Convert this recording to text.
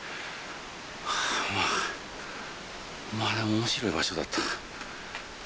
まあまあでも面白い場所だった。